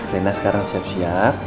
reina sekarang siap siap